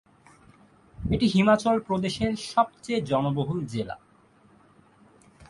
এটি হিমাচল প্রদেশের সবচেয়ে জনবহুল জেলা।